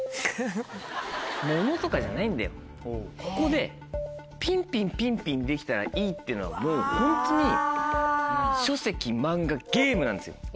ここでピンピンピンピンできたらいいっていうのはもうホントに書籍・漫画・ゲームなんですよ。